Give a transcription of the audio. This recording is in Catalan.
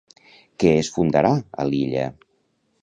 Què es fundarà a l'illa?